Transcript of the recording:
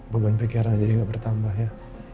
beban pikiran jadi gak bertambah ya